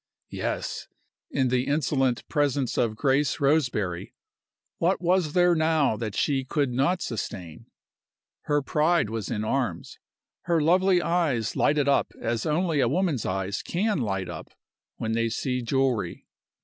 Yes! In the insolent presence of Grace Roseberry, what was there now that she could not sustain? Her pride was in arms. Her lovely eyes lighted up as only a woman's eyes can light up when they see jewelry.